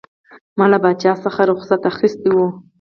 ما له پاچا څخه رخصت اخیستی وو.